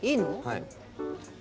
はい。